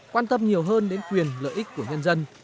quan tâm nhiều hơn đến quyền lợi ích của nhân dân